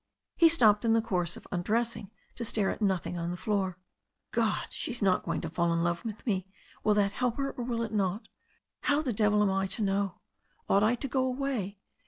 He stopped in the course of un dressing to stare at nothing on the floor. "God! She's going to fall in love with me! Will that help her, or will it not? How the devil am I to know? Ought I to go away?